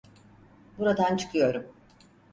Buradan çıkıyorum.